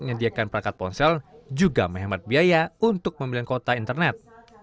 menyediakan perangkat ponsel juga menghemat biaya untuk pembelian kota internet